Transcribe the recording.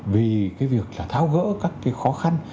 vì cái việc là tháo gỡ các cái khó khăn